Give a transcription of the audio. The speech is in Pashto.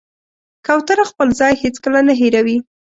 کوتره خپل ځای هېڅکله نه هېروي.